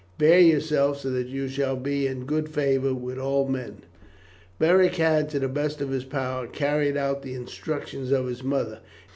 Bear yourself so that you shall be in good favour with all men." Beric had, to the best of his power, carried out the instructions of his mother.